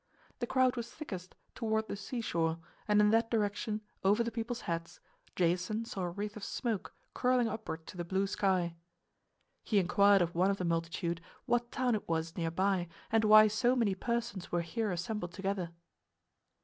The crowd was thickest toward the seashore, and in that direction, over the people's heads, Jason saw a wreath of smoke curling upward to the blue sky. He inquired of one of the multitude what town it was near by and why so many persons were here assembled together.